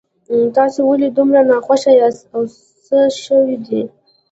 تاسو ولې دومره ناخوښه یاست او څه شوي دي